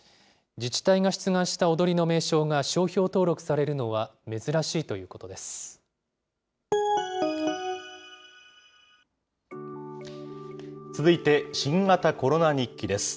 自治体が出願した踊りの名称が商標登録するのは珍しいということ続いて新型コロナ日記です。